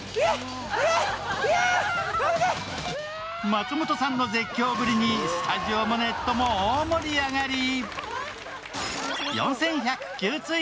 松本さんの絶叫ぶりにスタジオもネットも大盛り上がり。